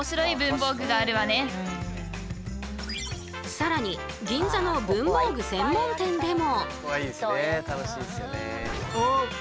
さらに銀座の文房具専門店でも。